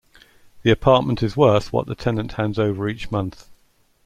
The apartment is worth what the tenant hands over each month.